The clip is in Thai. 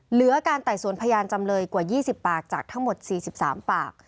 เหลือการไต่สวนพยานจำเลยกว่า๒๐ปากจากทั้งหมด๔๓ปาก